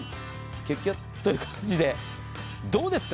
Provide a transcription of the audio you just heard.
キュキュッという感じでどうですか？